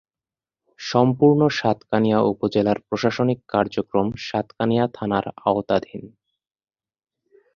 সম্পূর্ণ সাতকানিয়া উপজেলার প্রশাসনিক কার্যক্রম সাতকানিয়া থানার আওতাধীন।